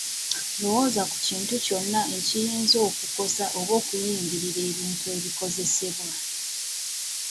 Lowooza ku kintu kyonna ekiyinza okukosa oba okuyingirira ebintu ebikozesebwa.